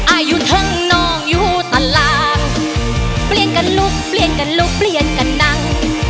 อายุทั้งน้องอยู่ตลาดเปลี่ยนกันลุกเปลี่ยนกันลุกเปลี่ยนกันนั่ง